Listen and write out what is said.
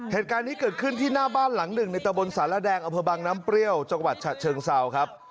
เหตุการณ์นี้เกิดขึ้นที่หน้าบ้านหลังหนึ่งในตะบนสารแดงอำเภอบังน้ำเปรี้ยวจังหวัดฉะเชิงเซาครับ